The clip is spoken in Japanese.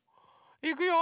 いくよ！